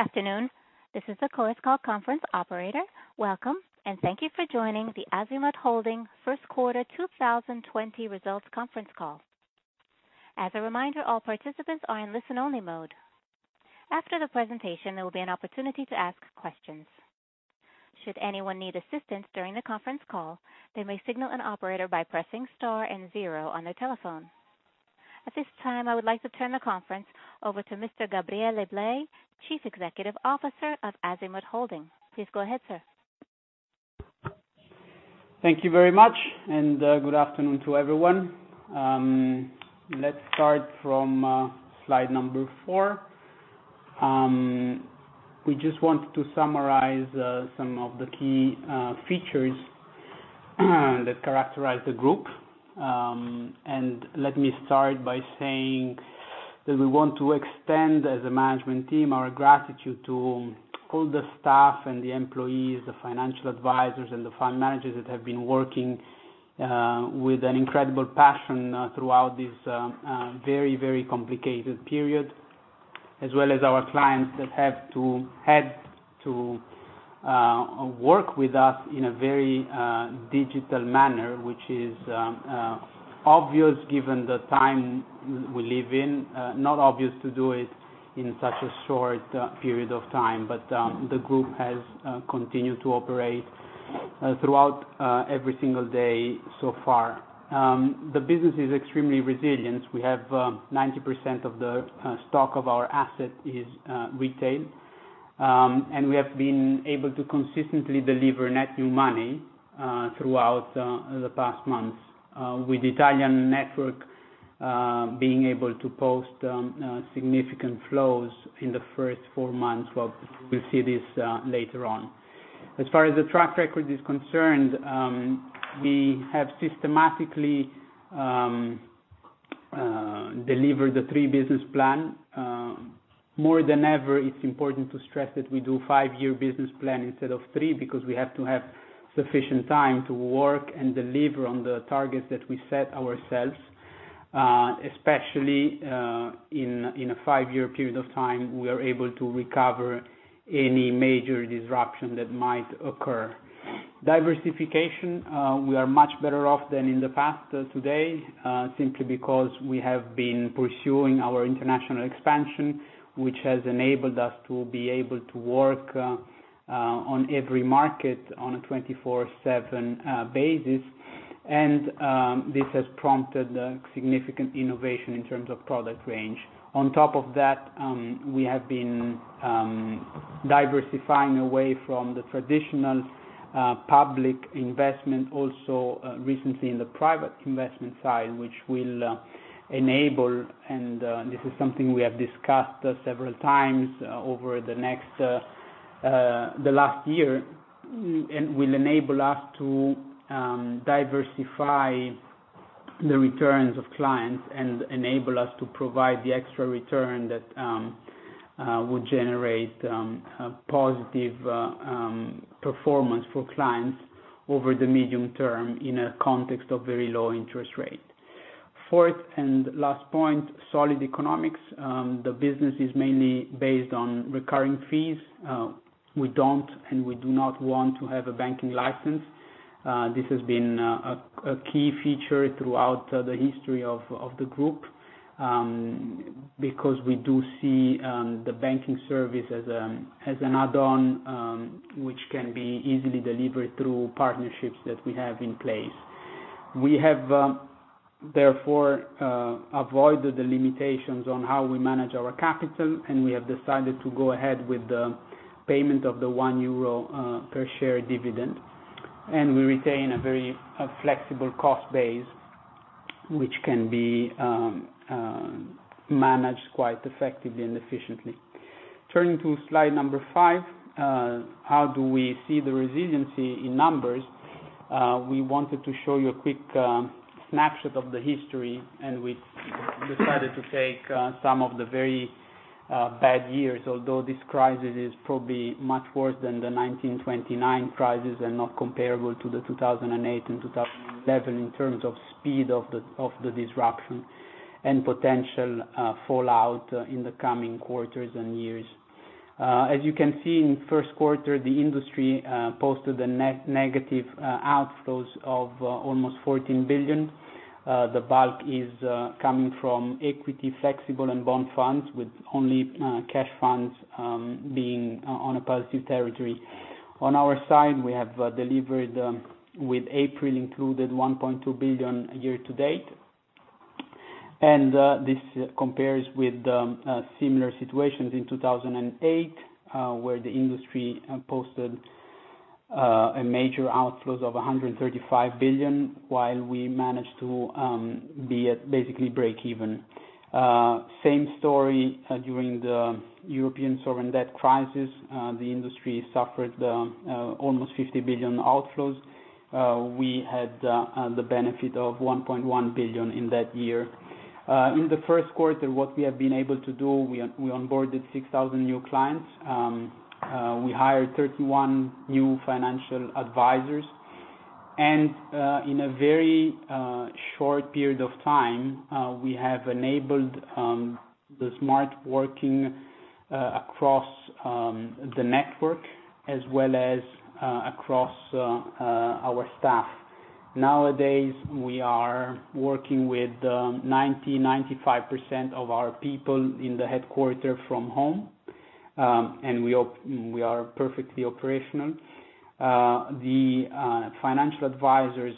Good afternoon. This is the Chorus Call conference operator. Welcome, and thank you for joining the Azimut Holding First Quarter 2020 Results Conference Call. As a reminder, all participants are in listen-only mode. After the presentation, there will be an opportunity to ask questions. Should anyone need assistance during the conference call, they may signal an operator by pressing star and zero on their telephone. At this time, I would like to turn the conference over to Mr. Gabriele Blei, Chief Executive Officer of Azimut Holding. Please go ahead, sir. Thank you very much. Good afternoon to everyone. Let's start from slide number four. We just want to summarize some of the key features that characterize the group. Let me start by saying that we want to extend, as a management team, our gratitude to all the staff and the employees, the financial advisors, and the fund managers that have been working with an incredible passion throughout this very, very complicated period, as well as our clients that had to work with us in a very digital manner, which is obvious given the time we live in. Not obvious to do it in such a short period of time. The group has continued to operate throughout every single day so far. The business is extremely resilient. We have 90% of the stock of our asset is retained, and we have been able to consistently deliver net new money throughout the past months, with Italian network being able to post significant flows in the first four months. Well, we will see this later on. As far as the track record is concerned, we have systematically delivered the three-business plan. More than ever, it is important to stress that we do five-year business plan instead of three because we have to have sufficient time to work and deliver on the targets that we set ourselves. Especially, in a five-year period of time, we are able to recover any major disruption that might occur. Diversification, we are much better off than in the past today, simply because we have been pursuing our international expansion, which has enabled us to be able to work on every market on a 24/7 basis. This has prompted a significant innovation in terms of product range. On top of that, we have been diversifying away from the traditional public investment, also recently in the private investment side, which will enable, and this is something we have discussed several times over the last year, and will enable us to diversify the returns of clients and enable us to provide the extra return that would generate a positive performance for clients over the medium term in a context of very low interest rate. Fourth and last point, solid economics. The business is mainly based on recurring fees. We don't, and we do not want to have a banking license. This has been a key feature throughout the history of the group, because we do see the banking service as an add-on, which can be easily delivered through partnerships that we have in place. We have, therefore, avoided the limitations on how we manage our capital. We have decided to go ahead with the payment of the 1 euro per share dividend. We retain a very flexible cost base, which can be managed quite effectively and efficiently. Turning to slide number five, how do we see the resiliency in numbers? We wanted to show you a quick snapshot of the history. We decided to take some of the very bad years, although this crisis is probably much worse than the 1929 crisis and not comparable to the 2008 and 2011 in terms of speed of the disruption, and potential fallout in the coming quarters and years. As you can see, in first quarter, the industry posted a negative outflows of almost 14 billion. The bulk is coming from equity flexible and bond funds, with only cash funds being on a positive territory. On our side, we have delivered, with April included, 1.2 billion year-to-date. This compares with similar situations in 2008, where the industry posted a major outflows of 135 billion, while we managed to be at basically break even. Same story during the European sovereign debt crisis. The industry suffered almost 50 billion outflows. We had the benefit of 1.1 billion in that year. In the first quarter, what we have been able to do, we onboarded 6,000 new clients. We hired 31 new financial advisors. In a very short period of time, we have enabled the smart working across the network as well as across our staff. Nowadays, we are working with 90%, 95% of our people in the headquarters from home, and we are perfectly operational. The financial advisors,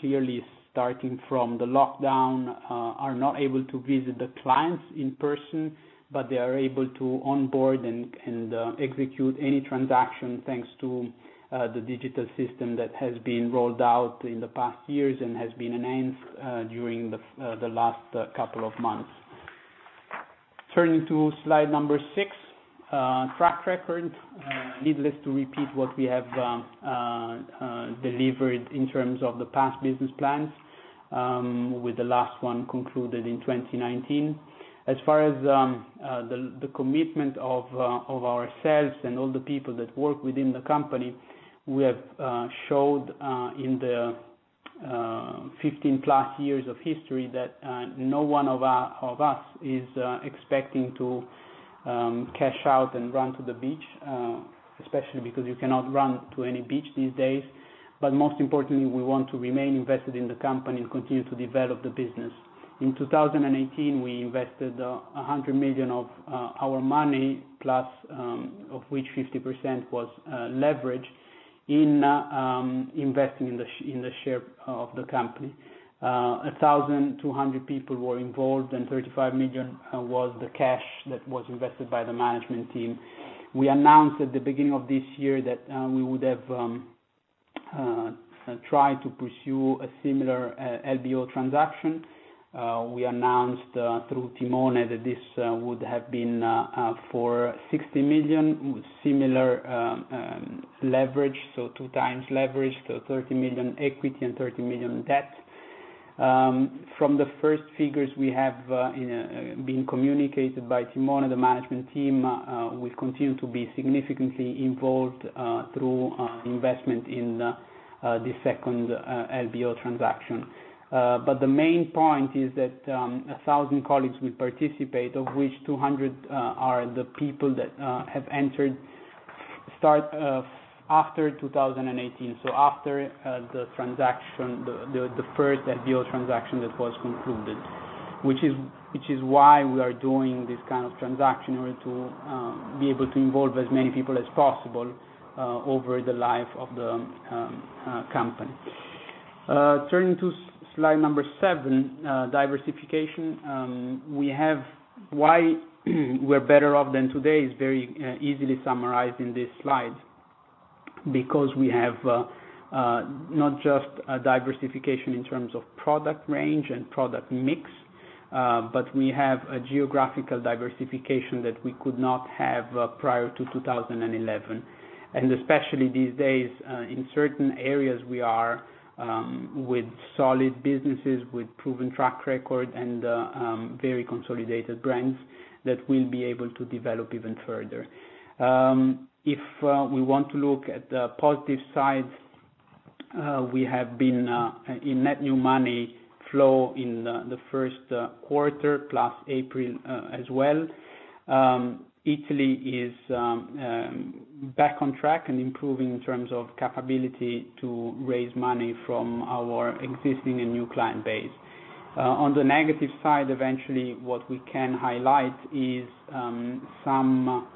clearly starting from the lockdown, are not able to visit the clients in person, but they are able to onboard and execute any transaction thanks to the digital system that has been rolled out in the past years and has been enhanced during the last couple of months. Turning to slide number six, track record. Needless to repeat what we have delivered in terms of the past business plans, with the last one concluded in 2019. As far as the commitment of ourselves and all the people that work within the company, we have showed in the 15+ years of history that no one of us is expecting to cash out and run to the beach, especially because you cannot run to any beach these days. Most importantly, we want to remain invested in the company and continue to develop the business. In 2018, we invested 100 million of our money, plus of which 50% was leverage in investing in the share of the company. 1,200 people were involved, and 35 million was the cash that was invested by the management team. We announced at the beginning of this year that we would have tried to pursue a similar LBO transaction. We announced through Timone that this would have been for 60 million, with similar leverage, so two times leverage, so 30 million equity and 30 million debt. From the first figures we have been communicated by Timone, the management team will continue to be significantly involved through investment in the second LBO transaction. The main point is that 1,000 colleagues will participate, of which 200 are the people that have entered after 2018, so after the first LBO transaction that was concluded, which is why we are doing this kind of transaction, in order to be able to involve as many people as possible over the life of the company. Turning to slide number seven, diversification. Why we're better off than today is very easily summarized in this slide, because we have not just a diversification in terms of product range and product mix, but we have a geographical diversification that we could not have prior to 2011. Especially these days, in certain areas, we are with solid businesses, with proven track record, and very consolidated brands that we'll be able to develop even further. If we want to look at the positive side, we have been in net new money flow in the first quarter, plus April as well. Italy is back on track and improving in terms of capability to raise money from our existing and new client base. On the negative side, eventually, what we can highlight is some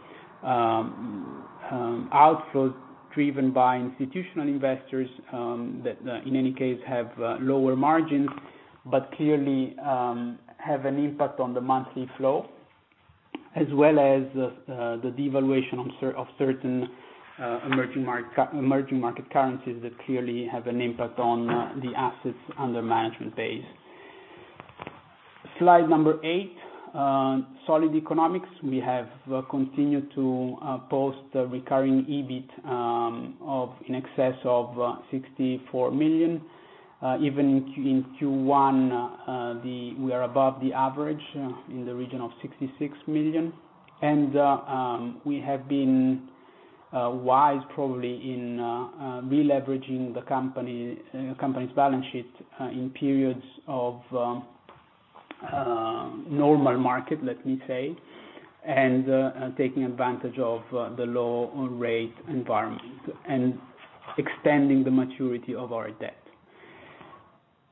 outflows driven by institutional investors, that in any case have lower margins, but clearly have an impact on the monthly flow, as well as the devaluation of certain emerging market currencies that clearly have an impact on the assets under management base. Slide number eight, solid economics. We have continued to post recurring EBIT in excess of 64 million. Even in Q1, we are above the average, in the region of 66 million. We have been wise probably in releveraging the company's balance sheet in periods of normal market, let me say, and taking advantage of the low rate environment and extending the maturity of our debt.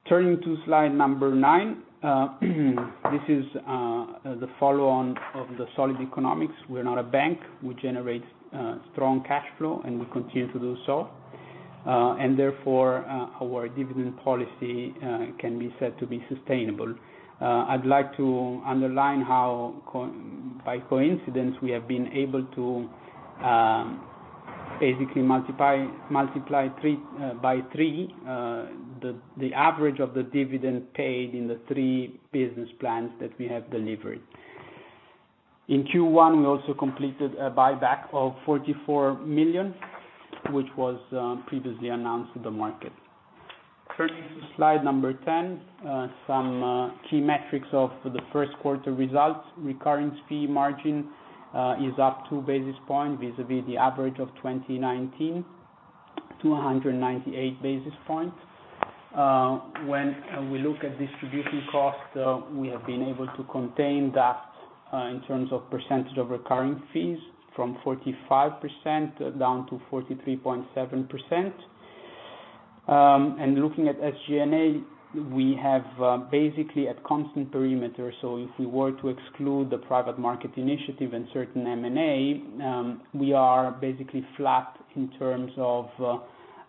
Turning to slide number nine. This is the follow-on of the solid economics. We are not a bank. We generate strong cash flow, and we continue to do so. Therefore, our dividend policy can be said to be sustainable. I would like to underline how, by coincidence, we have been able to basically multiply by three the average of the dividend paid in the three business plans that we have delivered. In Q1, we also completed a buyback of 44 million, which was previously announced to the market. Turn to slide 10. Some key metrics of the first quarter results. Recurrence fee margin is up two basis points vis-a-vis the average of 2019 to 198 basis points. We look at distribution costs, we have been able to contain that in terms of percentage of recurring fees from 45% down to 43.7%. Looking at SG&A, we have basically at constant perimeter. If we were to exclude the private market initiative and certain M&A, we are basically flat in terms of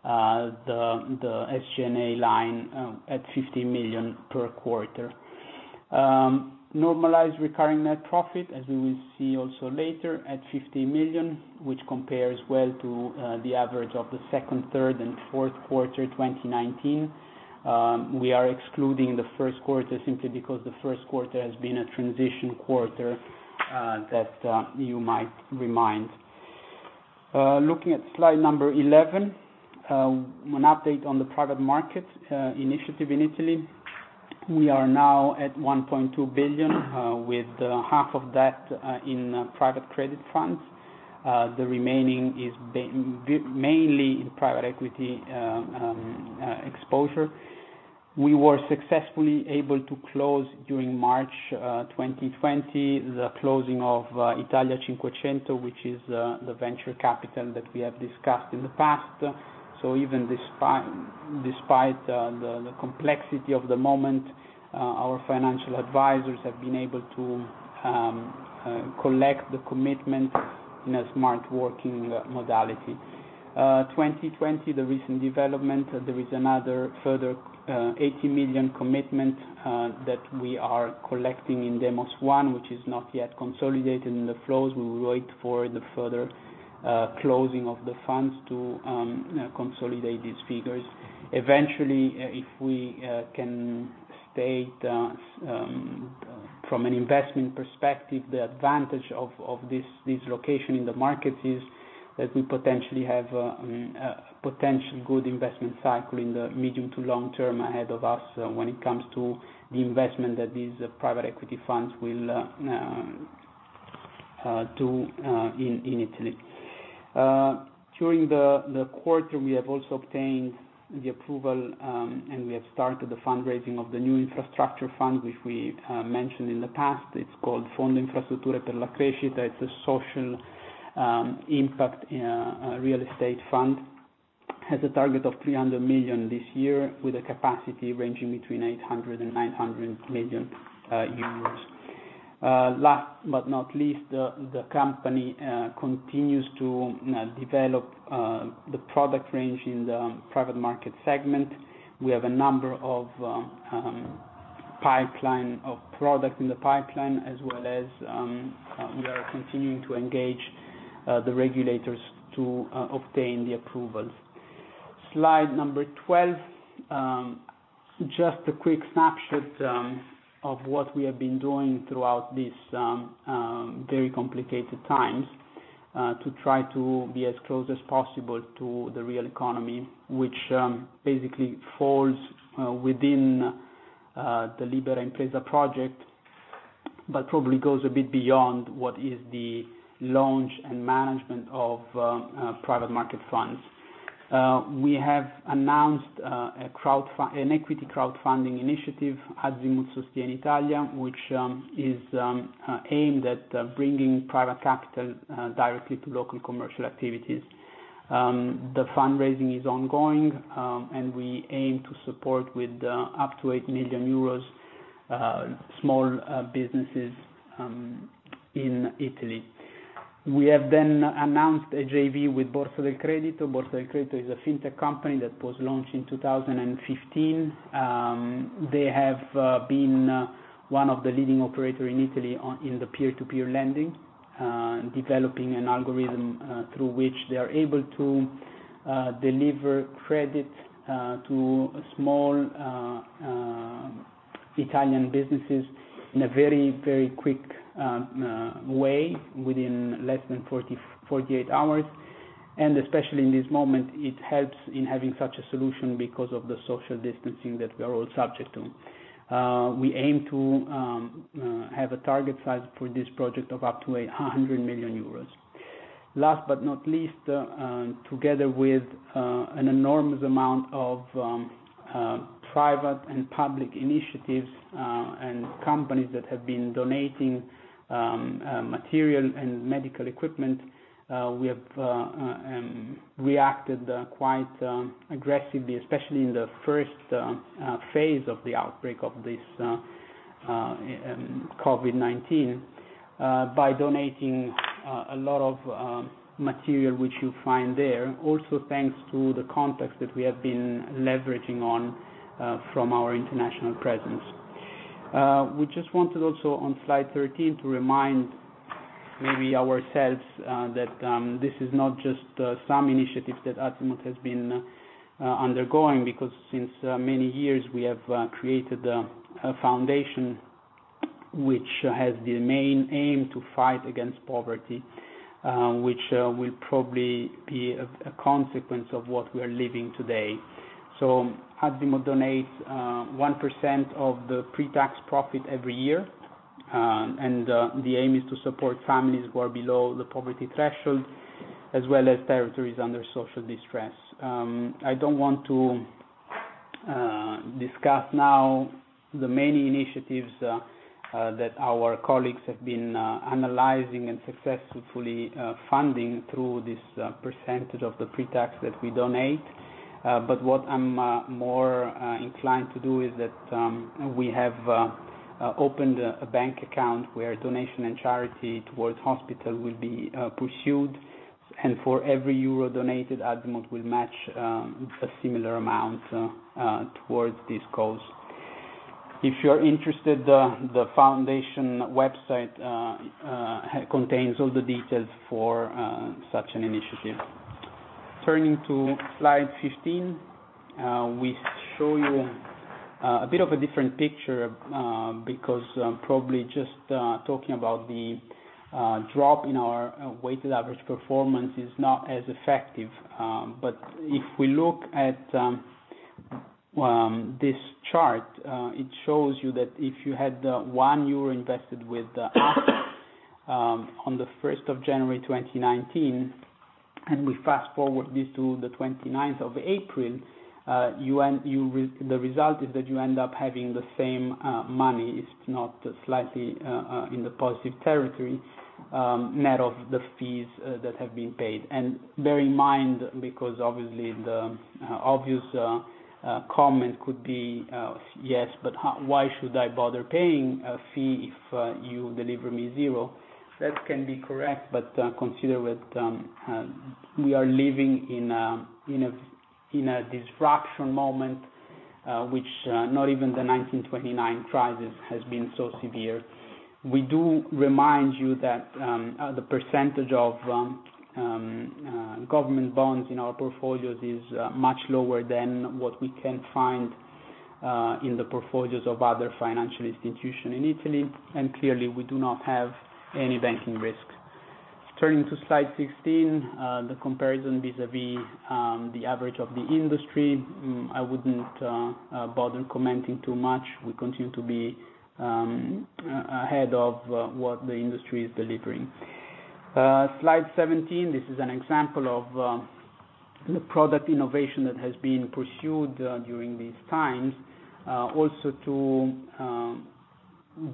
the SG&A line at 50 million per quarter. Normalized recurring net profit, as we will see also later, at 50 million, which compares well to the average of the second, third, and fourth quarter 2019. We are excluding the first quarter simply because the first quarter has been a transition quarter that you might remind. Looking at slide number 11, an update on the private market initiative in Italy. We are now at 1.2 billion, with half of that in private credit funds. The remaining is mainly in private equity exposure. We were successfully able to close during March 2020, the closing of Italia 500, which is the venture capital that we have discussed in the past. Even despite the complexity of the moment, our financial advisors have been able to collect the commitment in a smart working modality. 2020, the recent development, there is another further 80 million commitment that we are collecting in Demos 1, which is not yet consolidated in the flows. We will wait for the further closing of the funds to consolidate these figures. Eventually, if we can state from an investment perspective, the advantage of this location in the market is that we potentially have a potential good investment cycle in the medium to long term ahead of us when it comes to the investment that these private equity funds will do in Italy. During the quarter, we have also obtained the approval, and we have started the fundraising of the new infrastructure fund, which we mentioned in the past. It is called Fondo Infrastrutture per la Crescita. It is a social impact real estate fund. Has a target of 300 million this year with a capacity ranging between 800 million euros and 900 million euros. Last but not least, the company continues to develop the product range in the private market segment. We have a number of product in the pipeline as well as we are continuing to engage the regulators to obtain the approvals. Slide number 12. Just a quick snapshot of what we have been doing throughout these very complicated times to try to be as close as possible to the real economy, which basically falls within the Libera Impresa project, but probably goes a bit beyond what is the launch and management of private market funds. We have announced an equity crowdfunding initiative, Azimut Sostieni Italia, which is aimed at bringing private capital directly to local commercial activities. The fundraising is ongoing. We aim to support with up to 8 million euros small businesses in Italy. We have announced a JV with Borsa del Credito. Borsa del Credito is a fintech company that was launched in 2015. They have been one of the leading operators in Italy in the peer-to-peer lending, developing an algorithm through which they are able to deliver credit to small Italian businesses in a very quick way, within less than 48 hours. Especially in this moment, it helps in having such a solution because of the social distancing that we are all subject to. We aim to have a target size for this project of up to 100 million euros. Last but not least, together with an enormous amount of private and public initiatives and companies that have been donating material and medical equipment, we have reacted quite aggressively, especially in the first phase of the outbreak of this COVID-19, by donating a lot of material, which you find there. Also, thanks to the contacts that we have been leveraging on from our international presence. We just wanted also on slide 13 to remind maybe ourselves that this is not just some initiatives that Azimut has been undergoing, because since many years, we have created a foundation which has the main aim to fight against poverty, which will probably be a consequence of what we are living today. Azimut donates 1% of the pre-tax profit every year, and the aim is to support families who are below the poverty threshold, as well as territories under social distress. I don't want to discuss now the many initiatives that our colleagues have been analyzing and successfully funding through this percentage of the pre-tax that we donate. What I'm more inclined to do is that we have opened a bank account where donation and charity towards hospital will be pursued, and for every euro donated, Azimut will match a similar amount towards this cause. If you're interested, the foundation website contains all the details for such an initiative. Turning to slide 15, we show you a bit of a different picture, because probably just talking about the drop in our weighted average performance is not as effective. If we look at this chart, it shows you that if you had one euro invested with us on the 1st of January 2019, and we fast-forward this to the 29th of April, the result is that you end up having the same money. It's not slightly in the positive territory, net of the fees that have been paid. Bear in mind, because obviously the obvious comment could be, "Yes, but why should I bother paying a fee if you deliver me zero?" That can be correct, consider that we are living in a disruption moment which not even the 1929 crisis has been so severe. We do remind you that the percentage of government bonds in our portfolios is much lower than what we can find in the portfolios of other financial institutions in Italy. Clearly, we do not have any banking risk. Turning to slide 16, the comparison vis-à-vis the average of the industry, I wouldn't bother commenting too much. We continue to be ahead of what the industry is delivering. Slide 17, this is an example of the product innovation that has been pursued during these times. Also to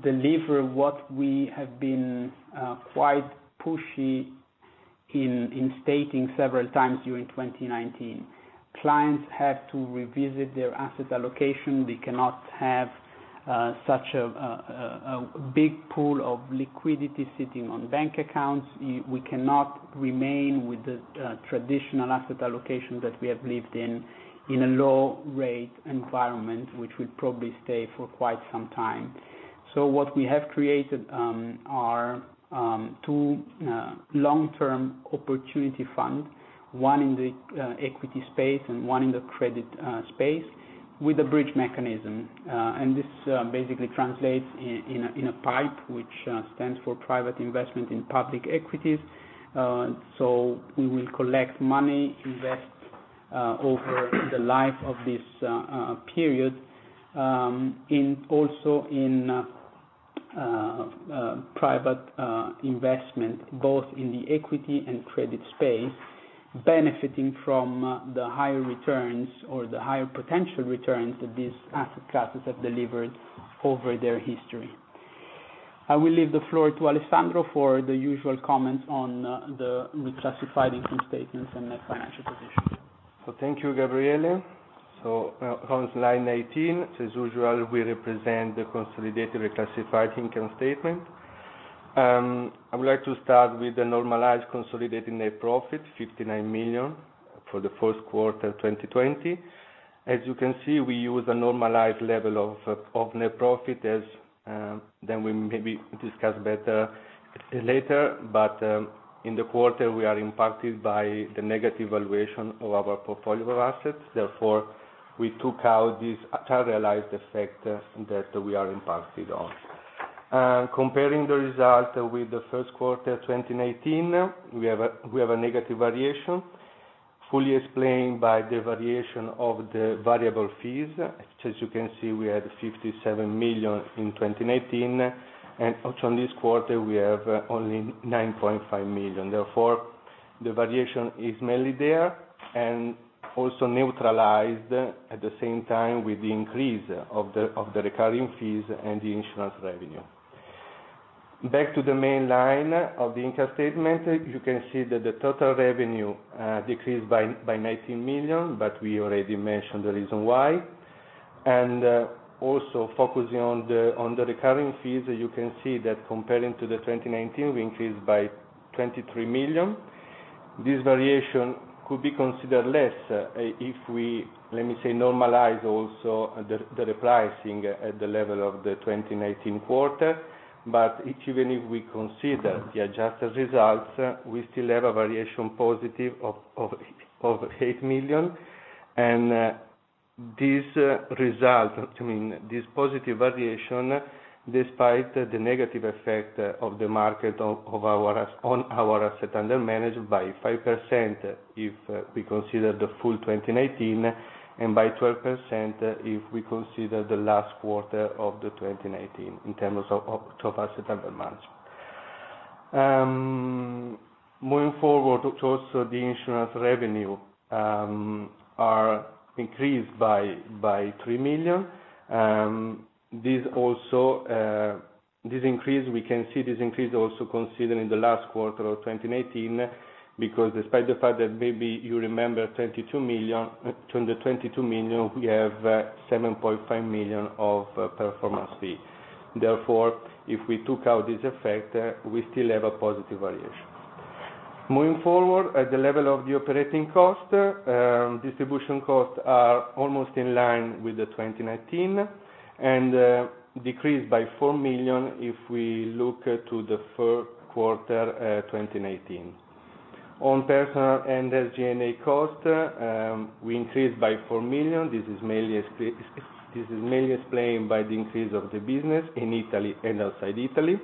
deliver what we have been quite pushy in stating several times during 2019. Clients have to revisit their asset allocation. They cannot have such a big pool of liquidity sitting on bank accounts. We cannot remain with the traditional asset allocation that we have lived in a low rate environment, which will probably stay for quite some time. What we have created are two long-term opportunity fund, one in the equity space and one in the credit space, with a bridge mechanism. This basically translates in a PIPE, which stands for private investment in public equities. We will collect money, invest over the life of this period, also in private investment, both in the equity and credit space, benefiting from the higher returns or the higher potential returns that these asset classes have delivered over their history. I will leave the floor to Alessandro for the usual comments on the reclassified income statements and net financial position. Thank you, Gabriele. On slide 19, as usual, we represent the consolidated reclassified income statement. I would like to start with the normalized consolidating net profit, 59 million, for the first quarter 2020. As you can see, we use a normalized level of net profit. In the quarter, we are impacted by the negative valuation of our portfolio of assets. Therefore, we took out this unrealized effect that we are impacted on. Comparing the result with the first quarter 2019, we have a negative variation, fully explained by the variation of the variable fees. As you can see, we had 57 million in 2019, and also in this quarter, we have only 9.5 million. Therefore, the variation is mainly there, and also neutralized at the same time with the increase of the recurring fees and the insurance revenue. Back to the main line of the income statement, you can see that the total revenue decreased by 19 million, but we already mentioned the reason why. Also focusing on the recurring fees, you can see that comparing to the 2019, we increased by 23 million. This variation could be considered less if we, let me say, normalize also the repricing at the level of the 2019 quarter. Even if we consider the adjusted results, we still have a variation positive of EUR 8 million. This positive variation, despite the negative effect of the market on our asset under management by 5%, if we consider the full 2019, and by 12%, if we consider the last quarter of the 2019 in terms of asset under management. Moving forward also, the insurance revenue are increased by 3 million. We can see this increase also considering the last quarter of 2019, because despite the fact that maybe you remember 22 million, we have 7.5 million of performance fee. If we took out this effect, we still have a positive variation. Moving forward, at the level of the operating cost, distribution costs are almost in line with the 2019, and decreased by 4 million if we look to the first quarter 2019. On personal and SG&A cost, we increased by 4 million. This is mainly explained by the increase of the business in Italy and outside Italy.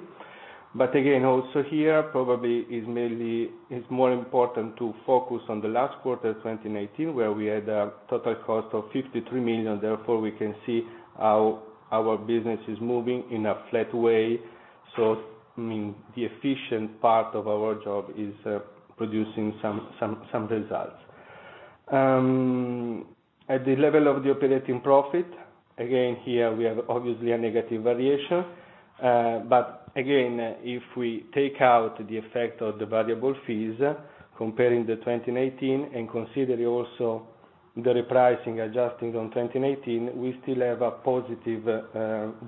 Again, also here, probably it's more important to focus on the last quarter of 2019, where we had a total cost of 53 million. We can see how our business is moving in a flat way. The efficient part of our job is producing some results. At the level of the operating profit, again, here we have obviously a negative variation. Again, if we take out the effect of the variable fees, comparing the 2019 and considering also the repricing adjusting on 2019, we still have a positive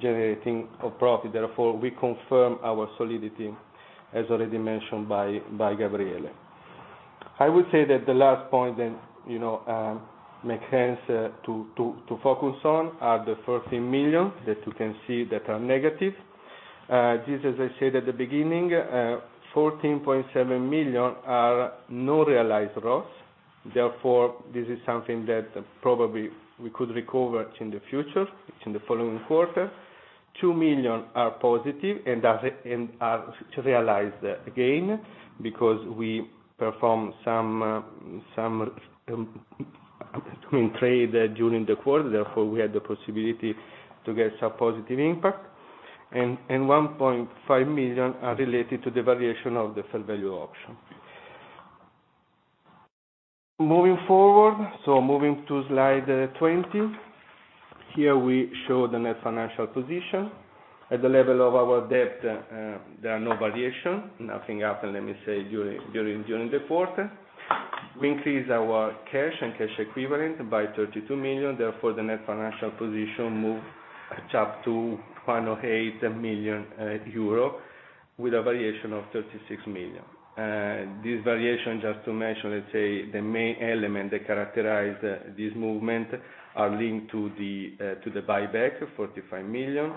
generating of profit. We confirm our solidity, as already mentioned by Gabriele. I would say that the last point that make sense to focus on are the 14 million that you can see that are negative. This, as I said at the beginning, 14.7 million are non-realized loss. This is something that probably we could recover in the future. It's in the following quarter. 2 million are positive and are realized again, because we perform some trade during the quarter, we had the possibility to get some positive impact. 1.5 million are related to the variation of the fair value option. Moving forward, so moving to slide 20. Here we show the net financial position. At the level of our debt, there are no variation, nothing happened, let me say, during the quarter. We increase our cash and cash equivalent by 32 million, therefore the net financial position move up to 108 million euro with a variation of 36 million. This variation, just to mention, let's say, the main element that characterize this movement are linked to the buyback, 45 million.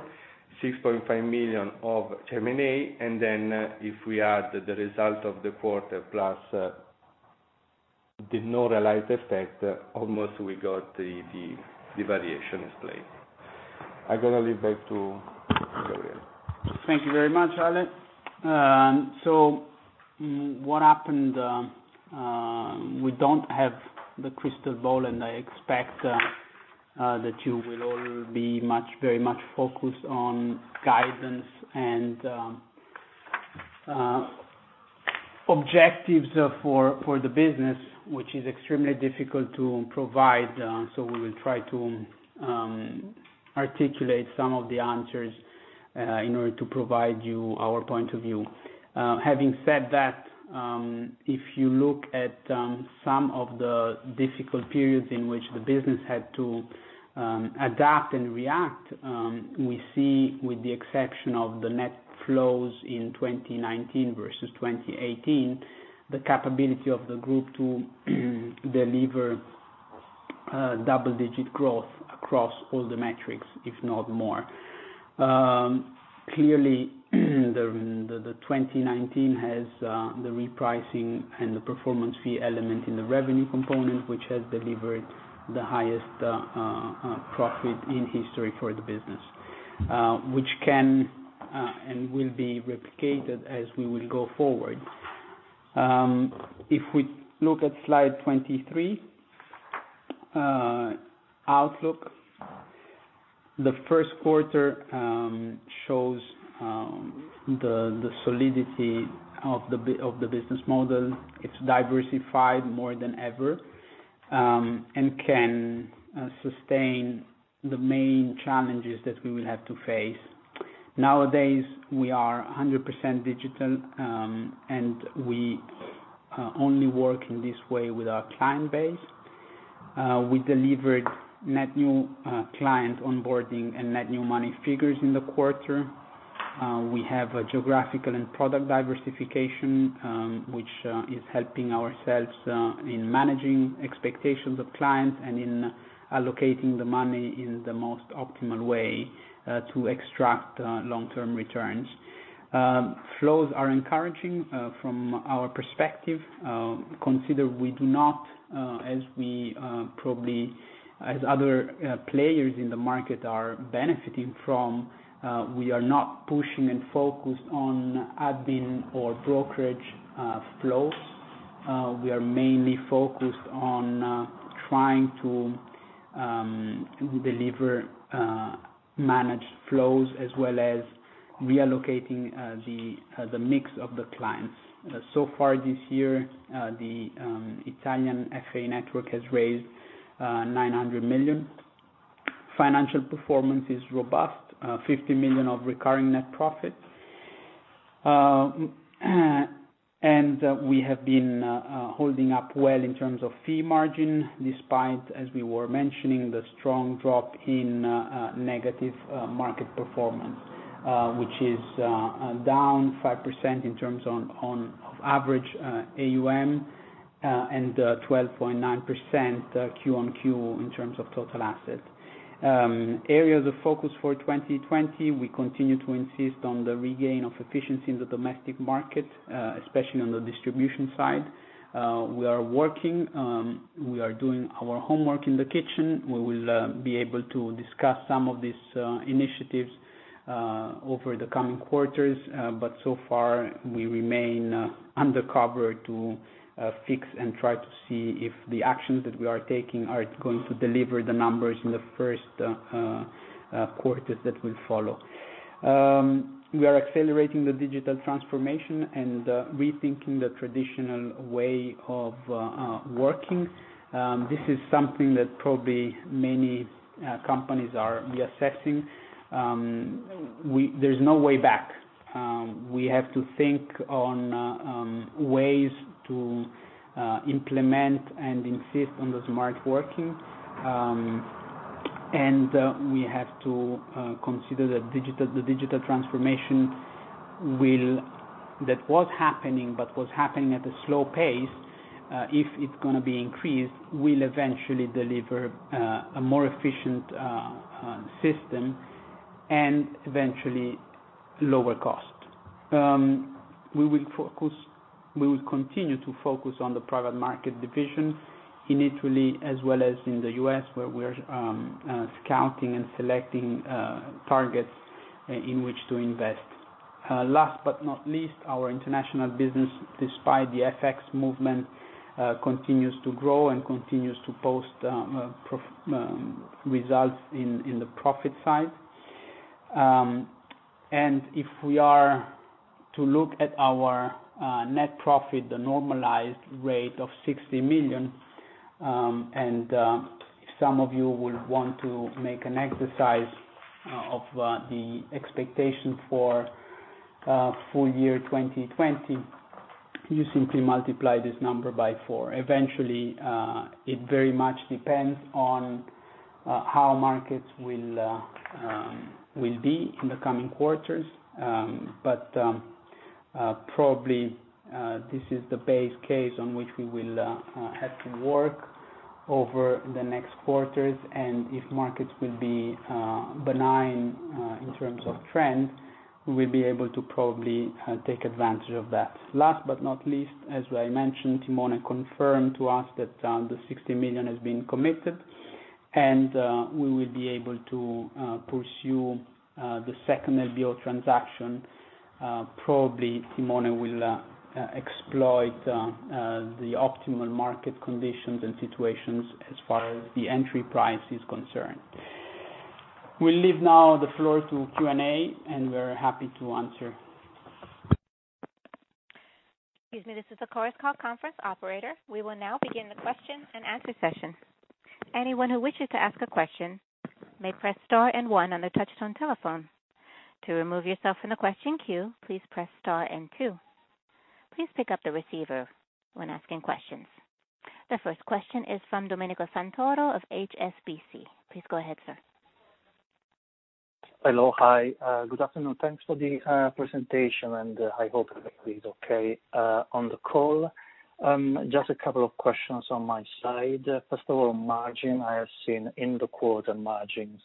6.5 million of M&A, and then if we add the result of the quarter plus the no realized effect, almost we got the variation explained. I'm going to leave back to Gabriele. Thank you very much, Ale. What happened? We don't have the crystal ball, and I expect that you will all be very much focused on guidance and objectives for the business, which is extremely difficult to provide. We will try to articulate some of the answers in order to provide you our point of view. Having said that, if you look at some of the difficult periods in which the business had to adapt and react, we see, with the exception of the net flows in 2019 versus 2018, the capability of the group to deliver double-digit growth across all the metrics, if not more. Clearly, the 2019 has the repricing and the performance fee element in the revenue component, which has delivered the highest profit in history for the business, which can, and will be replicated as we will go forward. If we look at slide 23, outlook. The first quarter shows the solidity of the business model. It is diversified more than ever, and can sustain the main challenges that we will have to face. Nowadays, we are 100% digital, and we only work in this way with our client base. We delivered net new client onboarding and net new money figures in the quarter. We have a geographical and product diversification, which is helping ourselves in managing expectations of clients and in allocating the money in the most optimal way to extract long-term returns. Flows are encouraging from our perspective. Consider we do not, probably as other players in the market are benefiting from, we are not pushing and focused on admin or brokerage flows. We are mainly focused on trying to deliver managed flows as well as reallocating the mix of the clients. Far this year, the Italian FA network has raised 900 million. Financial performance is robust, 50 million of recurring net profit. We have been holding up well in terms of fee margin, despite, as we were mentioning, the strong drop in negative market performance, which is down 5% in terms of average AUM, and 12.9% Q-on-Q in terms of total assets. Areas of focus for 2020, we continue to insist on the regain of efficiency in the domestic market, especially on the distribution side. We are working, we are doing our homework in the kitchen. We will be able to discuss some of these initiatives over the coming quarters. So far, we remain undercover to fix and try to see if the actions that we are taking are going to deliver the numbers in the first quarters that will follow. We are accelerating the digital transformation and rethinking the traditional way of working. This is something that probably many companies are reassessing. There's no way back. We have to think on ways to implement and insist on the smart working. We have to consider that the digital transformation, that was happening, but was happening at a slow pace, if it's going to be increased, will eventually deliver a more efficient system and eventually lower cost. We will continue to focus on the private market division in Italy as well as in the U.S., where we are scouting and selecting targets in which to invest. Last but not least, our international business, despite the FX movement, continues to grow and continues to post results in the profit side. If we are to look at our net profit, the normalized rate of 60 million, if some of you would want to make an exercise of the expectation for full year 2020, you simply multiply this number by four. Eventually, it very much depends on how markets will be in the coming quarters. Probably, this is the base case on which we will have to work over the next quarters. If markets will be benign in terms of trend, we will be able to probably take advantage of that. Last but not least, as I mentioned, Timone confirmed to us that the 60 million has been committed, and we will be able to pursue the second LBO transaction. Probably, Timone will exploit the optimal market conditions and situations as far as the entry price is concerned. We leave now the floor to Q&A, and we're happy to answer. Excuse me, this is the Chorus Call conference operator. We will now begin the question and answer session. Anyone who wishes to ask a question may press star and one on their touch-tone telephone. To remove yourself from the question queue, please press star and two. Please pick up the receiver when asking questions. The first question is from Domenico Santoro of HSBC. Please go ahead, sir. Hello. Hi. Good afternoon. Thanks for the presentation, and I hope everybody is okay on the call. Just a couple of questions on my side. First of all, margin, I have seen in the quarter margins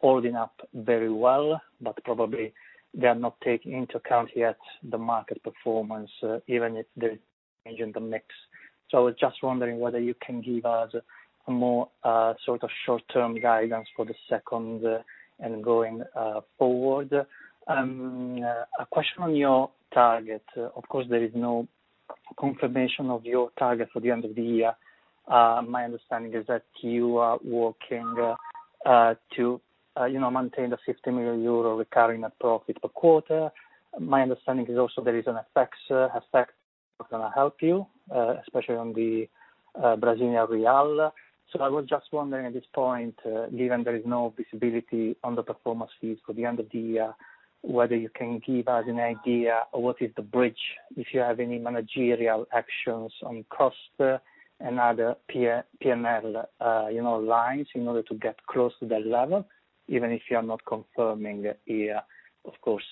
holding up very well, probably they are not taking into account yet the market performance, even if they change in the mix. I was just wondering whether you can give us a more sort of short-term guidance for the second and going forward. A question on your target. Of course, there is no confirmation of your target for the end of the year. My understanding is that you are working to maintain the 50 million euro recurring net profit per quarter. My understanding is also there is an FX effect that's going to help you, especially on the Brazilian real. I was just wondering at this point, given there is no visibility on the performance fees for the end of the year, whether you can give us an idea of what is the bridge, if you have any managerial actions on cost and other P&L lines in order to get close to that level, even if you are not confirming here, of course,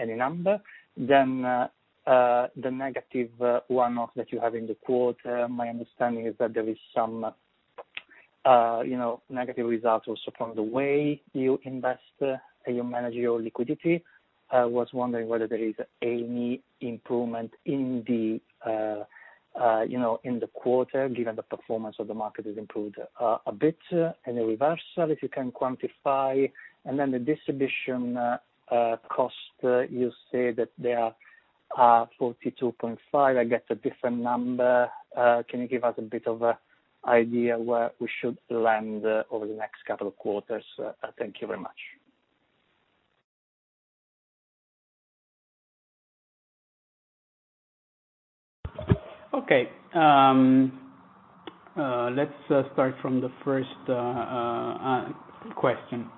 any number. The negative one-off that you have in the quarter, my understanding is that there is some negative results also from the way you invest and you manage your liquidity. I was wondering whether there is any improvement in the quarter, given the performance of the market has improved a bit. Any reversal, if you can quantify? The distribution cost, you say that they are 42.5, I get a different number. Can you give us a bit of a idea where we should land over the next couple of quarters? Thank you very much. Okay. Let's start from the first question.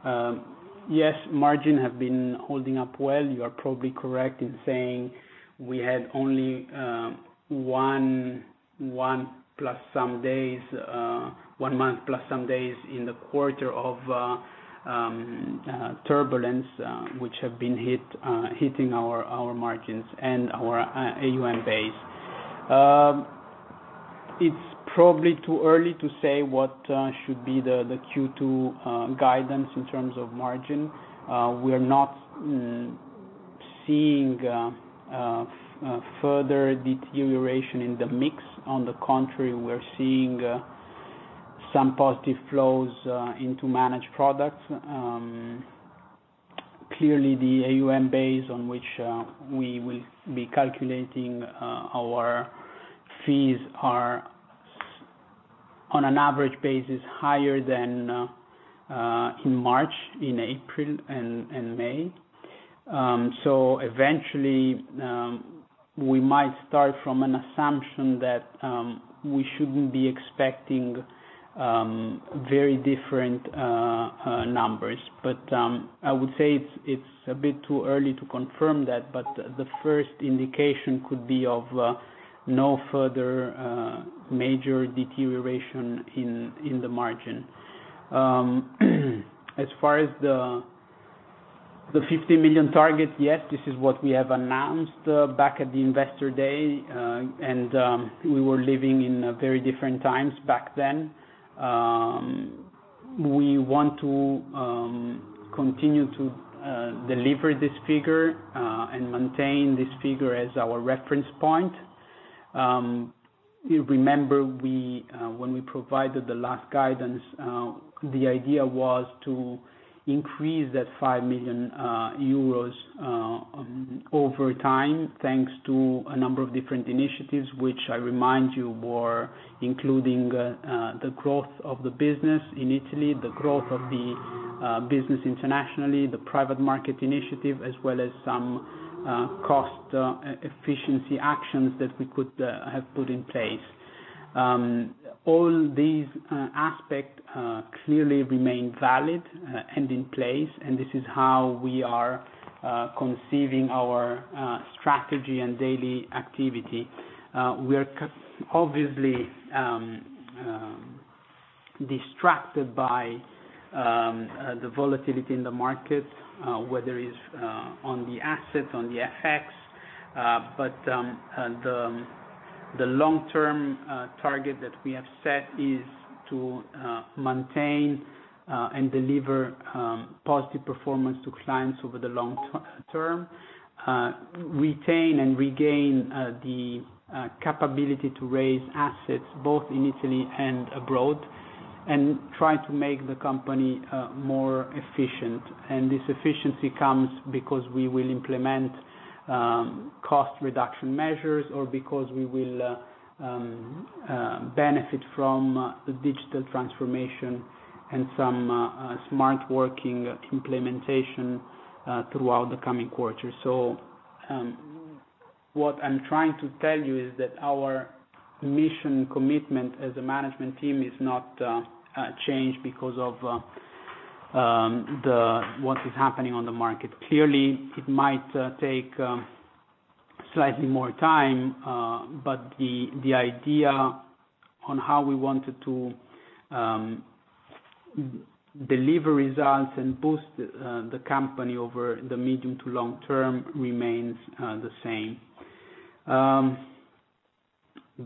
Yes, margin have been holding up well. You are probably correct in saying we had only one month, plus some days in the quarter of turbulence, which have been hitting our margins and our AUM base. It's probably too early to say what should be the Q2 guidance in terms of margin. We are not seeing a further deterioration in the mix .On the contrary, we're seeing some positive flows into managed products. Clearly, the AUM base on which we will be calculating our fees are on an average basis, higher than in March, in April, and May. Eventually, we might start from an assumption that we shouldn't be expecting very different numbers. I would say it's a bit too early to confirm that, but the first indication could be of no further major deterioration in the margin. As far as the 50 million target, yes, this is what we have announced back at the Investor Day. We were living in very different times back then. We want to continue to deliver this figure, and maintain this figure as our reference point. You remember when we provided the last guidance, the idea was to increase that 5 million euros over time, thanks to a number of different initiatives, which I remind you, were including the growth of the business in Italy, the growth of the business internationally, the private market initiative, as well as some cost efficiency actions that we could have put in place. All these aspect clearly remain valid and in place, and this is how we are conceiving our strategy and daily activity. We are obviously distracted by the volatility in the market, whether is on the assets, on the FX. The long-term target that we have set is to maintain and deliver positive performance to clients over the long term. Retain and regain the capability to raise assets both in Italy and abroad, and try to make the company more efficient. This efficiency comes because we will implement cost reduction measures or because we will benefit from the digital transformation and some smart working implementation throughout the coming quarters. What I'm trying to tell you is that our mission commitment as a management team is not changed because of what is happening on the market. Clearly, it might take slightly more time. The idea on how we wanted to deliver results and boost the company over the medium to long term remains the same.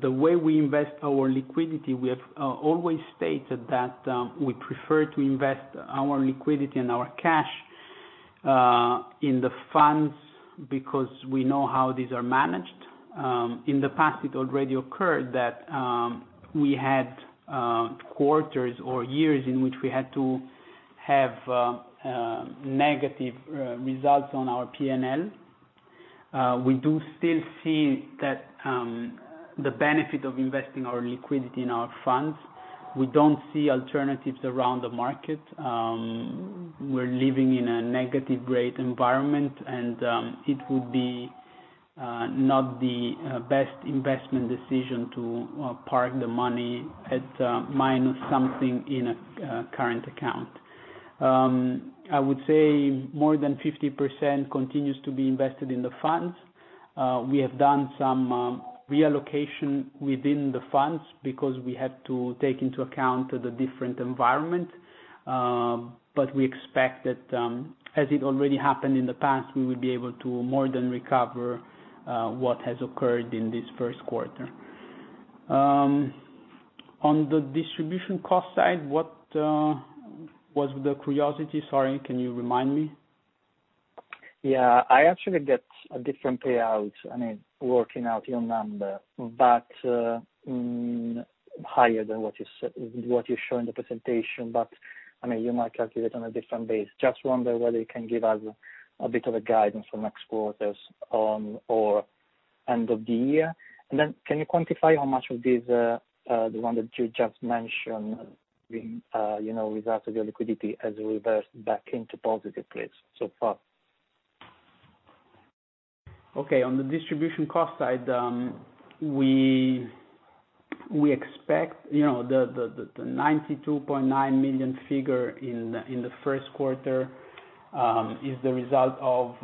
The way we invest our liquidity, we have always stated that we prefer to invest our liquidity and our cash, in the funds because we know how these are managed. In the past, it already occurred that we had quarters or years in which we had to have negative results on our P&L. We do still see the benefit of investing our liquidity in our funds. We don't see alternatives around the market. We're living in a negative rate environment, and it would be not the best investment decision to park the money at minus something in a current account. I would say more than 50% continues to be invested in the funds. We have done some reallocation within the funds because we had to take into account the different environment. We expect that, as it already happened in the past, we will be able to more than recover what has occurred in this first quarter. On the distribution cost side, what was the curiosity? Sorry, can you remind me? Yeah. I actually get a different payout working out your number, higher than what you show in the presentation. You might calculate on a different base. Just wonder whether you can give us a bit of a guidance on next quarters or end of the year. Can you quantify how much of these, the one that you just mentioned, with that of your liquidity as a reverse back into positive place so far? Okay. On the distribution cost side, we expect the 92.9 million figure in the first quarter is the result of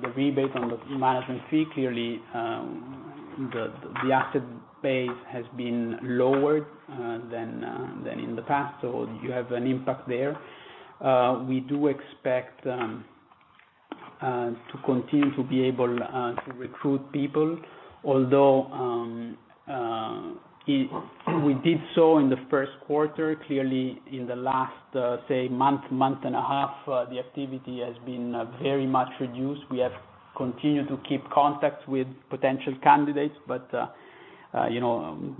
the rebate on the management fee. Clearly, the asset base has been lowered than in the past. You have an impact there. We do expect to continue to be able to recruit people, although, we did so in the first quarter. Clearly, in the last, say, month and a half, the activity has been very much reduced. We have continued to keep contact with potential candidates,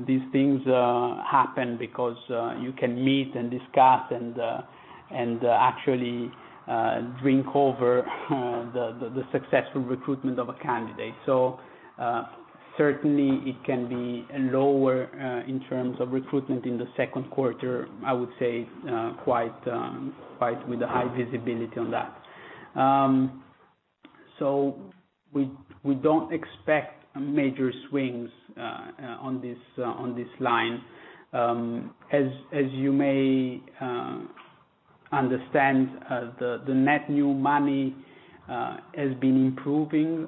these things happen because you can meet and discuss and actually drink over the successful recruitment of a candidate. Certainly it can be lower in terms of recruitment in the second quarter, I would say, quite with a high visibility on that. We don't expect major swings on this line. As you may understand, the net new money has been improving,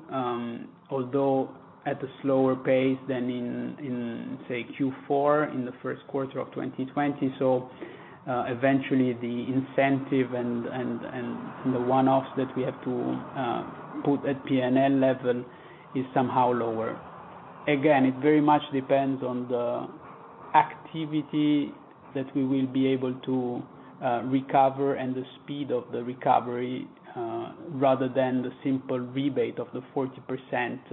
although at a slower pace than in, say, Q4, in the first quarter of 2020. Eventually, the incentive and the one-offs that we have to put at P&L level is somehow lower. Again, it very much depends on the activity that we will be able to recover and the speed of the recovery, rather than the simple rebate of the 40%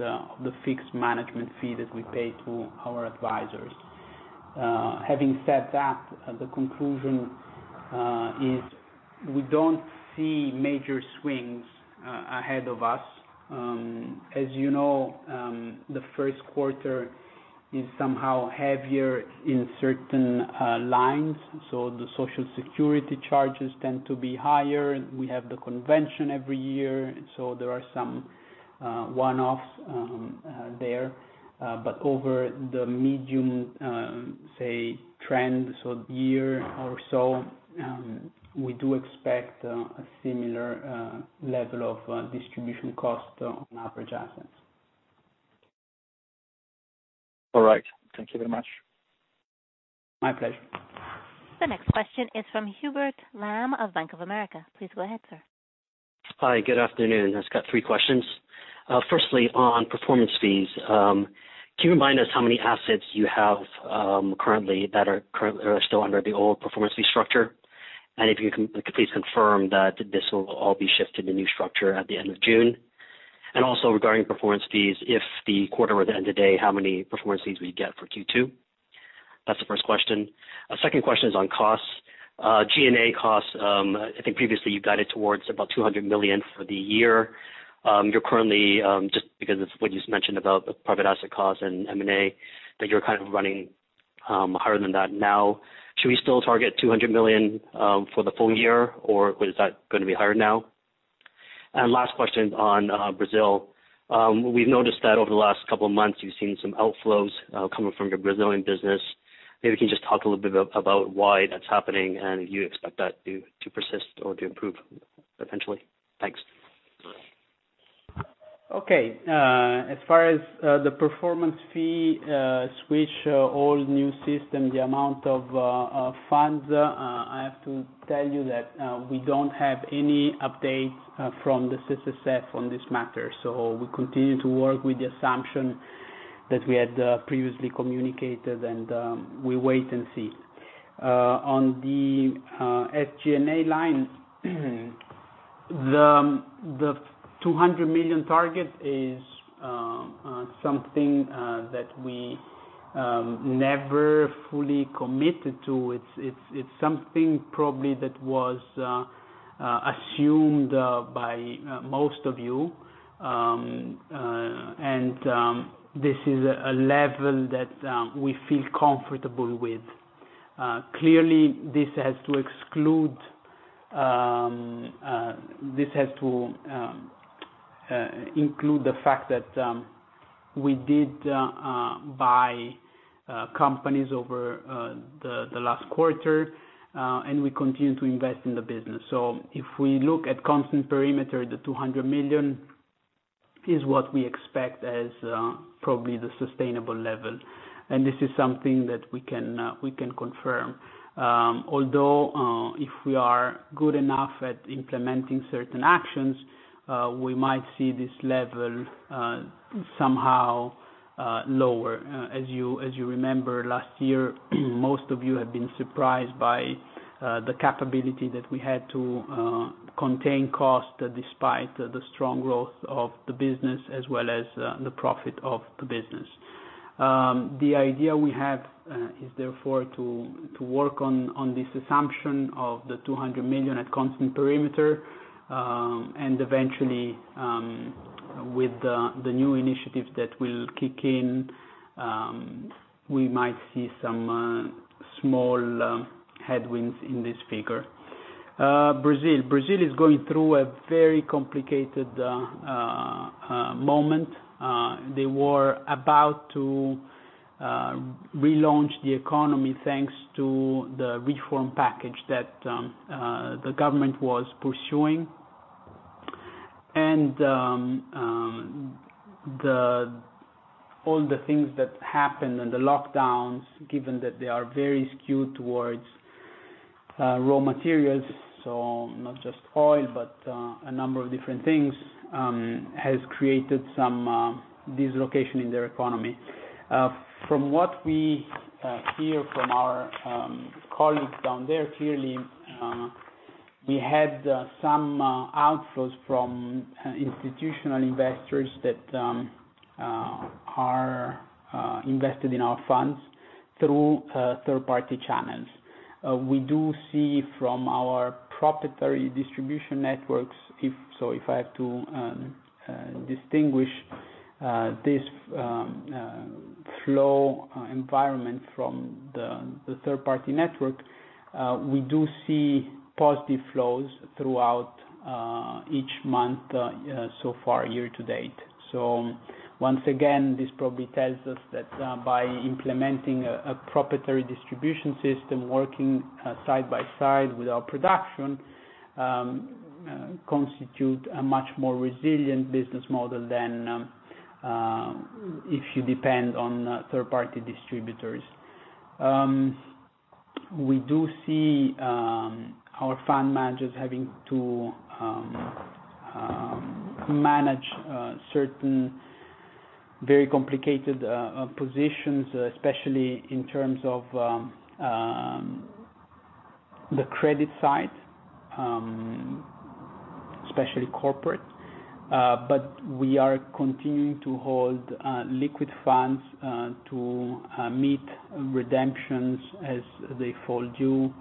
of the fixed management fee that we pay to our advisors. Having said that, the conclusion is we don't see major swings ahead of us. As you know, the first quarter is somehow heavier in certain lines. The Social Security charges tend to be higher. We have the convention every year, so there are some one-offs there. Over the medium, say, trend, so year or so, we do expect a similar level of distribution cost on average assets. All right. Thank you very much. My pleasure. The next question is from Hubert Lam of Bank of America. Please go ahead, sir. Hi, good afternoon. I just got three questions. Firstly, on performance fees, can you remind us how many assets you have currently that are still under the old performance fee structure? If you can please confirm that this will all be shifted to new structure at the end of June? Also regarding performance fees, if the quarter were to end today, how many performance fees would you get for Q2? That's the first question. Second question is on costs. G&A costs, I think previously you guided towards about 200 million for the year. You're currently, just because it's what you just mentioned about the private asset costs and M&A, that you're kind of running higher than that now. Should we still target 200 million for the full year, or is that going to be higher now? Last question on Brazil. We've noticed that over the last couple of months, you've seen some outflows coming from your Brazilian business. You can just talk a little bit about why that's happening and if you expect that to persist or to improve eventually. Thanks. Okay. As far as the performance fee switch, old/new system, the amount of funds, I have to tell you that we don't have any updates from the CSSF on this matter. We continue to work with the assumption that we had previously communicated, and we wait and see. On the SG&A line, the 200 million target is something that we never fully committed to. It's something probably that was assumed by most of you. This is a level that we feel comfortable with. Clearly, this has to include the fact that we did buy companies over the last quarter, and we continue to invest in the business. If we look at constant perimeter, the 200 million is what we expect as probably the sustainable level. This is something that we can confirm. If we are good enough at implementing certain actions, we might see this level somehow lower. As you remember, last year, most of you have been surprised by the capability that we had to contain cost despite the strong growth of the business as well as the profit of the business. The idea we have is, therefore, to work on this assumption of the 200 million at constant perimeter, and eventually, with the new initiatives that will kick in, we might see some small headwinds in this figure. Brazil. Brazil is going through a very complicated moment. They were about to relaunch the economy thanks to the reform package that the government was pursuing. All the things that happened, and the lockdowns, given that they are very skewed towards raw materials, so not just oil, but a number of different things, has created some dislocation in their economy. From what we hear from our colleagues down there, clearly, we had some outflows from institutional investors that are invested in our funds through third-party channels. We do see from our proprietary distribution networks, so if I have to distinguish this flow environment from the third-party network, we do see positive flows throughout each month so far, year-to-date. Once again, this probably tells us that by implementing a proprietary distribution system, working side by side with our production, constitute a much more resilient business model than if you depend on third-party distributors. We do see our fund managers having to manage certain very complicated positions, especially in terms of the credit side, especially corporate. We are continuing to hold liquid funds to meet redemptions as they fall due.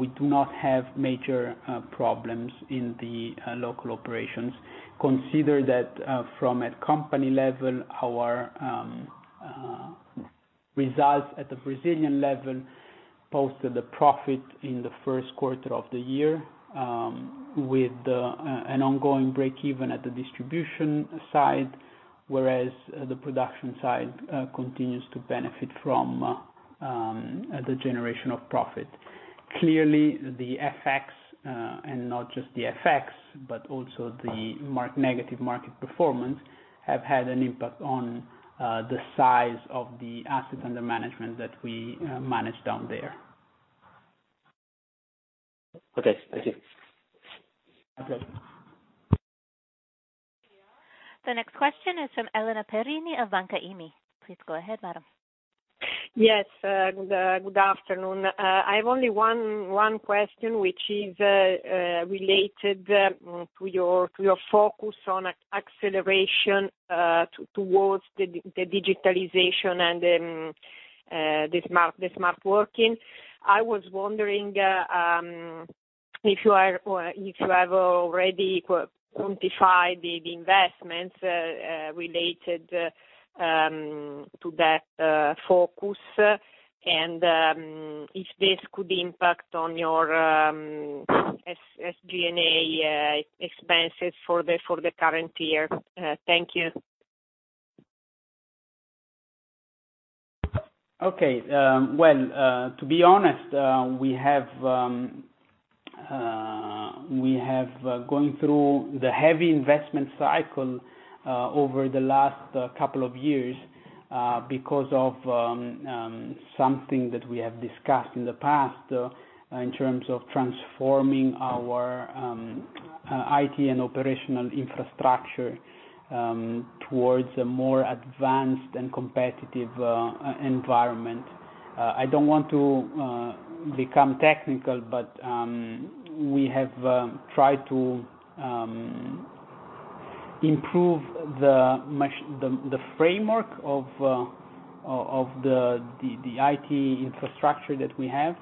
We do not have major problems in the local operations. Consider that from a company level, our results at the Brazilian level posted a profit in the first quarter of the year, with an ongoing break-even at the distribution side, whereas the production side continues to benefit from the generation of profit. Clearly, the FX, and not just the FX, but also the negative market performance, have had an impact on the size of the assets under management that we manage down there. Okay. Thank you. Okay. The next question is from Elena Perini of Intesa Sanpaolo. Please go ahead, madam. Yes. Good afternoon. I have only one question, which is related to your focus on acceleration towards the digitalization and the smart working. I was wondering if you have already quantified the investments related to that focus, and if this could impact on your SG&A expenses for the current year. Thank you. Okay. Well, to be honest, we have gone through the heavy investment cycle over the last couple of years because of something that we have discussed in the past in terms of transforming our IT and operational infrastructure towards a more advanced and competitive environment. I don't want to become technical, but we have tried to improve the framework of the IT infrastructure that we have,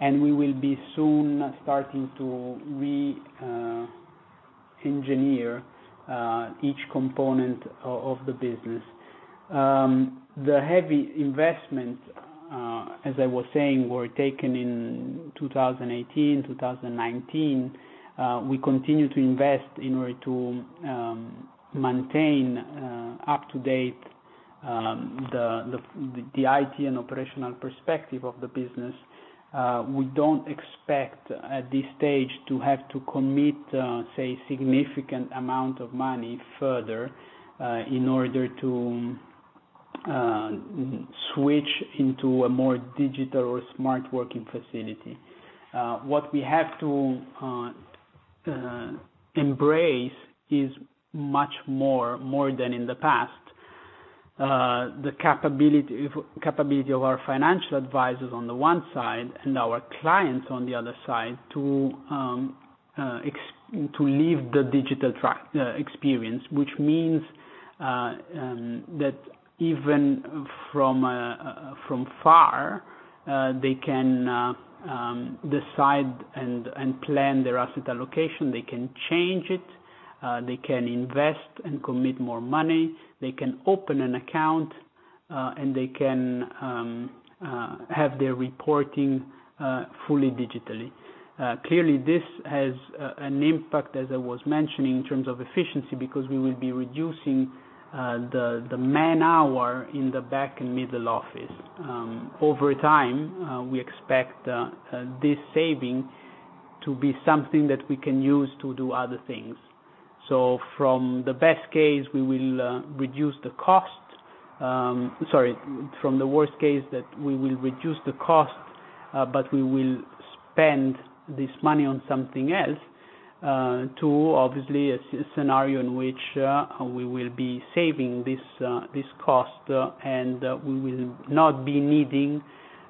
and we will be soon starting to re-engineer each component of the business. The heavy investments, as I was saying, were taken in 2018, 2019. We continue to invest in order to maintain up to date the IT and operational perspective of the business. We don't expect at this stage to have to commit, say, significant amount of money further in order to switch into a more digital or smart working facility. What we have to embrace is much more than in the past, the capability of our financial advisors on the one side and our clients on the other side to live the digital experience. Which means that even from far, they can decide and plan their asset allocation. They can change it. They can invest and commit more money. They can open an account, and they can have their reporting fully digitally. Clearly, this has an impact, as I was mentioning, in terms of efficiency, because we will be reducing the man hour in the back and middle office. Over time, we expect this saving to be something that we can use to do other things. From the worst case, that we will reduce the cost, but we will spend this money on something else, to, obviously, a scenario in which we will be saving this cost, and we will not be needing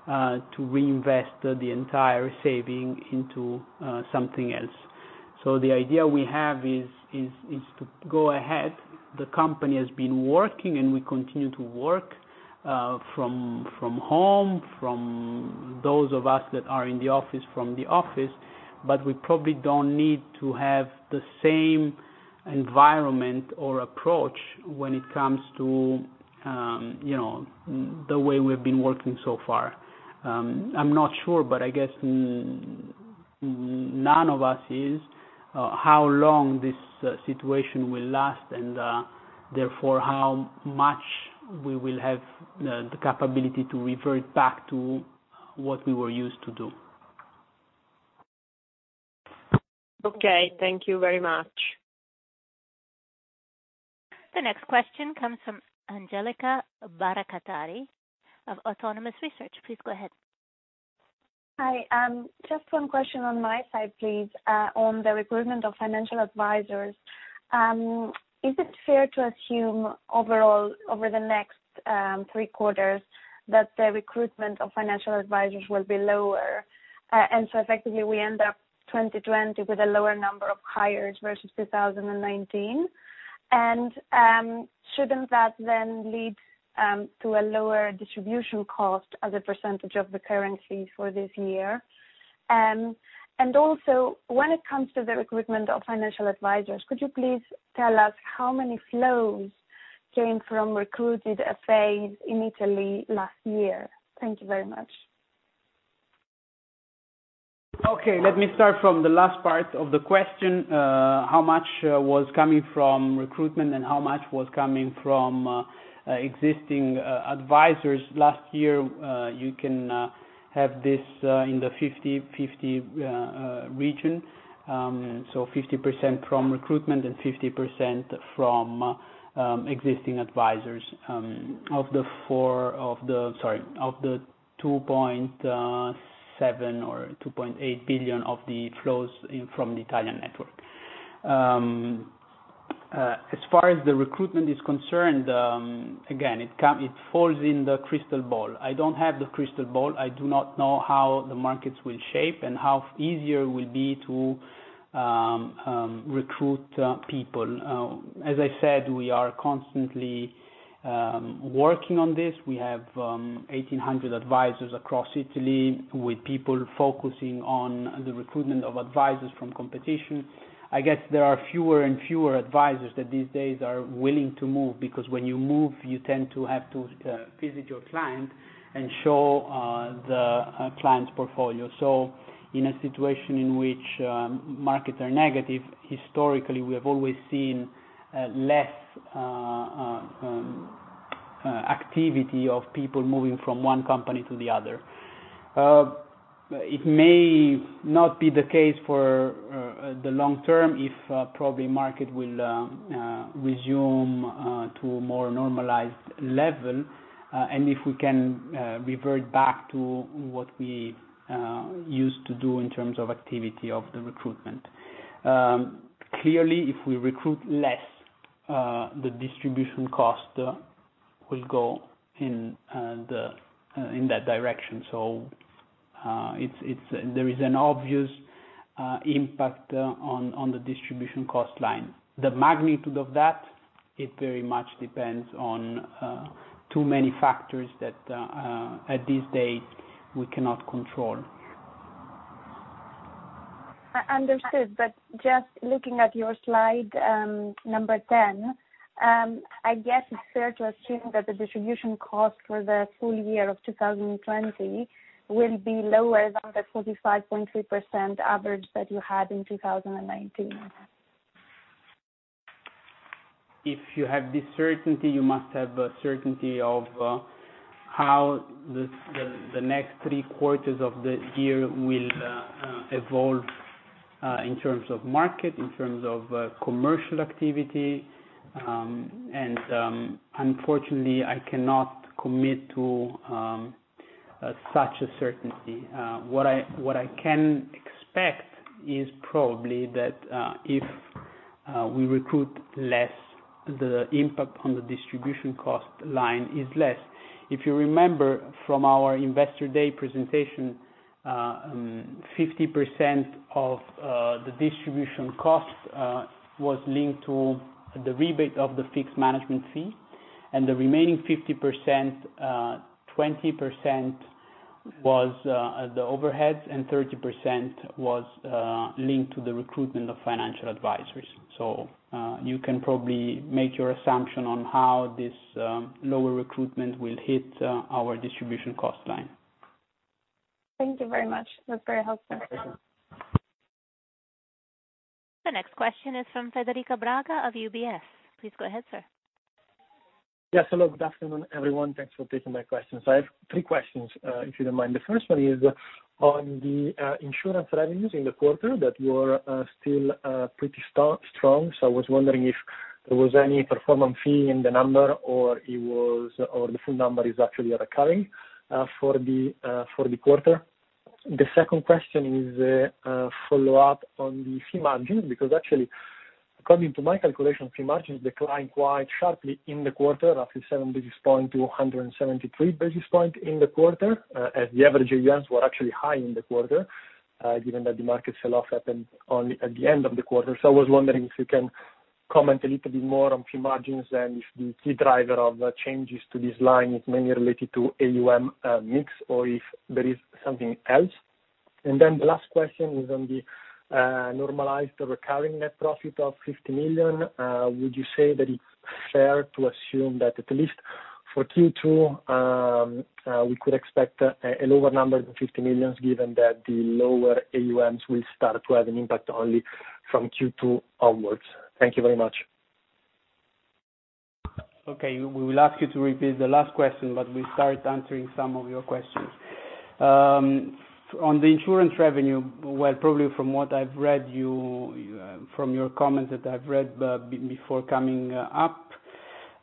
to reinvest the entire saving into something else. The idea we have is to go ahead. The company has been working, and we continue to work from home, from those of us that are in the office, from the office. We probably don't need to have the same environment or approach when it comes to the way we've been working so far. I'm not sure, but I guess none of us is, how long this situation will last, and therefore, how much we will have the capability to revert back to what we were used to do. Okay. Thank you very much. The next question comes from Angeliki Bairaktari of Autonomous Research. Please go ahead. Hi. Just one question on my side, please, on the recruitment of financial advisors. Is it fair to assume overall, over the next three quarters, that the recruitment of financial advisors will be lower, effectively we end up 2020 with a lower number of hires versus 2019? Shouldn't that lead to a lower distribution cost as a percentage of the currency for this year? When it comes to the recruitment of financial advisors, could you please tell us how many flows came from recruited FAs in Italy last year? Thank you very much. Okay. Let me start from the last part of the question. How much was coming from recruitment, and how much was coming from existing advisors last year? You can have this in the 50/50 region. 50% from recruitment and 50% from existing advisors of the 2.7 billion or 2.8 billion of the flows from the Italian network. As far as the recruitment is concerned, again, it falls in the crystal ball. I don't have the crystal ball. I do not know how the markets will shape and how easier it will be to recruit people. As I said, we are constantly working on this. We have 1,800 advisors across Italy, with people focusing on the recruitment of advisors from competition. I guess there are fewer and fewer advisors that these days are willing to move, because when you move, you tend to have to visit your client and show the client's portfolio. In a situation in which markets are negative, historically, we have always seen less activity of people moving from one company to the other. It may not be the case for the long term if probably market will resume to a more normalized level, and if we can revert back to what we used to do in terms of activity of the recruitment. Clearly, if we recruit less, the distribution cost will go in that direction. There is an obvious impact on the distribution cost line. The magnitude of that, it very much depends on too many factors that at this stage we cannot control. Understood. Just looking at your slide number 10, I guess it's fair to assume that the distribution cost for the full year of 2020 will be lower than the 45.3% average that you had in 2019. If you have this certainty, you must have a certainty of how the next three quarters of the year will evolve in terms of market, in terms of commercial activity. Unfortunately, I cannot commit to such a certainty. What I can expect is probably that if we recruit less, the impact on the distribution cost line is less. If you remember from our Investor Day presentation, 50% of the distribution cost was linked to the rebate of the fixed management fee, the remaining 50%: 20% was the overheads and 30% was linked to the recruitment of financial advisors. You can probably make your assumption on how this lower recruitment will hit our distribution cost line. Thank you very much. That's very helpful. My pleasure. The next question is from Federica Braga of UBS. Please go ahead, sir. Yes, hello. Good afternoon, everyone. Thanks for taking my questions. I have three questions, if you don't mind. The first one is on the insurance revenues in the quarter that were still pretty strong. I was wondering if there was any performance fee in the number, or the full number is actually recurring for the quarter. The second question is a follow-up on the fee margin, because actually, according to my calculations, fee margins declined quite sharply in the quarter, roughly seven basis points to 173 basis points in the quarter, as the average AUMs were actually high in the quarter, given that the market sell-off happened only at the end of the quarter. I was wondering if you can comment a little bit more on fee margins and if the key driver of changes to this line is mainly related to AUM mix or if there is something else. The last question is on the normalized recurring net profit of 50 million. Would you say that it's fair to assume that at least for Q2, we could expect a lower number than 50 million, given that the lower AUMs will start to have an impact only from Q2 onwards? Thank you very much. Okay. We will ask you to repeat the last question, but we start answering some of your questions. On the insurance revenue, well, probably from your comments that I've read before coming up,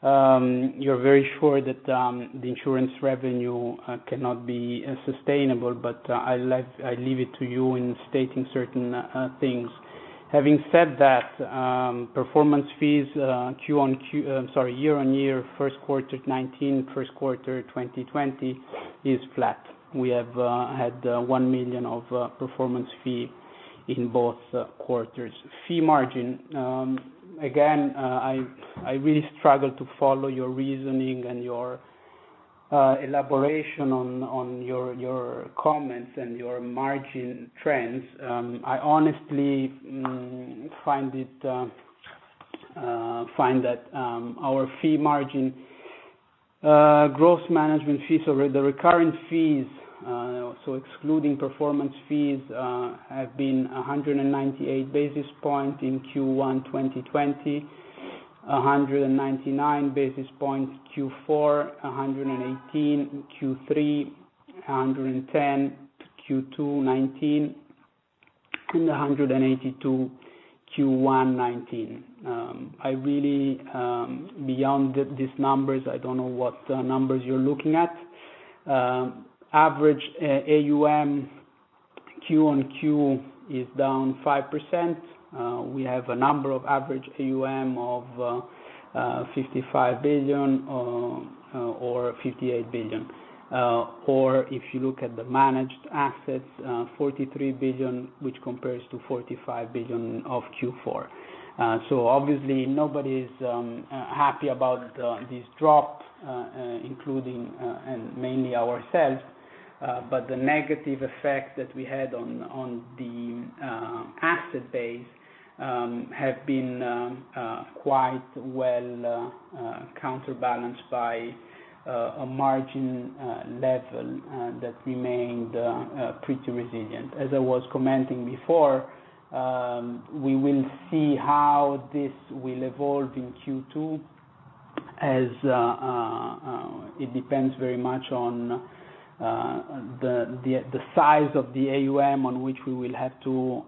you're very sure that the insurance revenue cannot be sustainable, but I leave it to you in stating certain things. Having said that, performance fees year-on-year, first quarter 2019, first quarter 2020, is flat. We have had 1 million of performance fee in both quarters. Fee margin. I really struggle to follow your reasoning and your elaboration on your comments and your margin trends. I honestly find that our fee margin, gross management fees or the recurring fees, so excluding performance fees, have been 198 basis points in Q1 2020, 199 basis points Q4, 118 Q3, 110 Q2, 19, and 182 Q1, 19. Beyond these numbers, I don't know what numbers you're looking at. Average AUM Q-on-Q is down 5%. We have a number of average AUM of 55 billion or 58 billion. If you look at the managed assets, 43 billion, which compares to 45 billion of Q4. Obviously, nobody is happy about this drop, including and mainly ourselves. The negative effect that we had on the asset base have been quite well counterbalanced by a margin level that remained pretty resilient. As I was commenting before, we will see how this will evolve in Q2, as it depends very much on the size of the AUM on which we will have to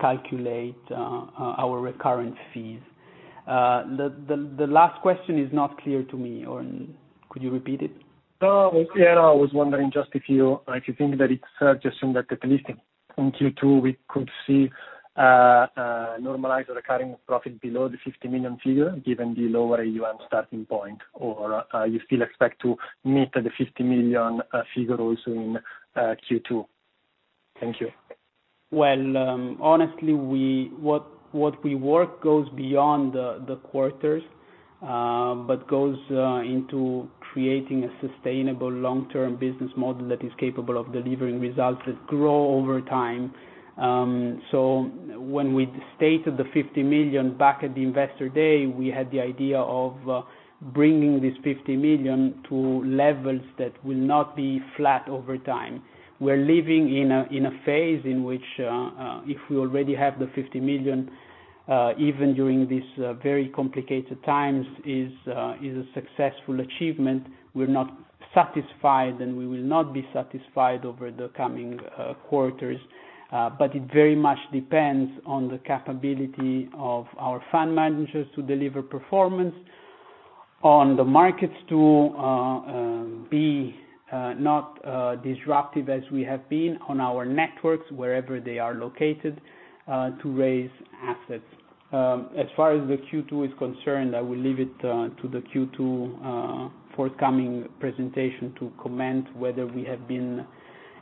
calculate our recurring fees. The last question is not clear to me. Could you repeat it? I was wondering just if you think that it's fair to assume that at least in Q2, we could see a normalized recurring profit below the 50 million figure, given the lower AUM starting point, or you still expect to meet the 50 million figure also in Q2? Thank you. Honestly, what we work goes beyond the quarters, but goes into creating a sustainable long-term business model that is capable of delivering results that grow over time. When we stated the 50 million back at the Investor Day, we had the idea of bringing this 50 million to levels that will not be flat over time. We're living in a phase in which if we already have the 50 million, even during these very complicated times, is a successful achievement. We're not satisfied, and we will not be satisfied over the coming quarters. It very much depends on the capability of our fund managers to deliver performance on the markets to be not disruptive as we have been on our networks, wherever they are located, to raise assets. As far as the Q2 is concerned, I will leave it to the Q2 forthcoming presentation to comment whether we have been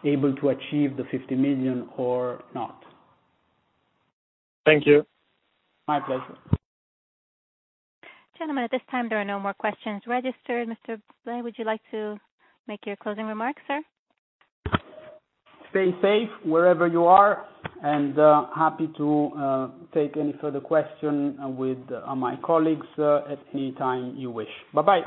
able to achieve the 50 million or not. Thank you. My pleasure. Gentlemen, at this time, there are no more questions registered. Mr. Blei, would you like to make your closing remarks, sir? Stay safe wherever you are, and happy to take any further question with my colleagues at any time you wish. Bye-bye.